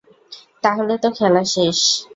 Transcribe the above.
তাহলে তো খেলা শেষ।